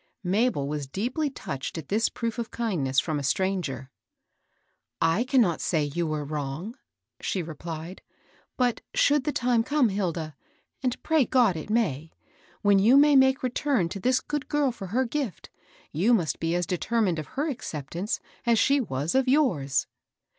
Mabel was deeply touched at this proof of kind ness firom a stranger. "I cannot say you were wrong," she replied. But should the time come, Hilda, — and pray God it may 1 — when you can make return to this good girl for her gift, you must be as determined of her acceptance as she was of yours."